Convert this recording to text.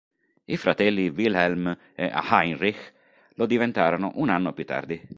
I fratelli Wilhelm e Heinrich lo diventarono un anno più tardi.